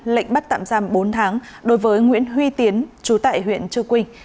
lệnh bắt tạm giam bốn tháng đối với nguyễn huy tiến chú tại huyện chư quynh